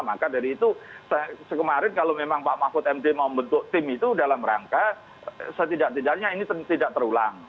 maka dari itu sekemarin kalau memang pak mahfud md mau membentuk tim itu dalam rangka setidak tidaknya ini tidak terulang